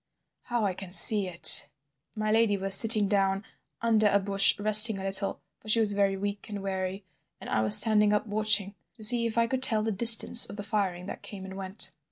How I can see it! My lady was sitting down under a bush resting a little, for she was very weak and weary, and I was standing up watching to see if I could tell the distance of the firing that came and went.